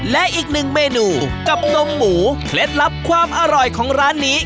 และอีกหนึ่งเมนูกับนมหมูเคล็ดลับความอร่อยของร้านนี้